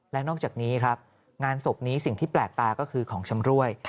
และนอกจากนี้ครับงานศพนี้สิ่งที่แปลกตาก็คือของชำรวย